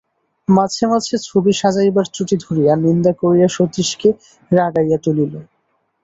মাঝে মাঝে ছবি সাজাইবার ত্রুটি ধরিয়া নিন্দা করিয়া সতীশকে রাগাইয়া তুলিল।